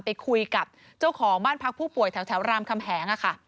ไปคุยกับเจ้าของบ้านพักผู้ป่วยแถวรามคำแหง